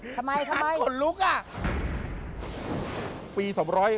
ทำไมทำไมท่านคนลุกน่ะทำไมทำไม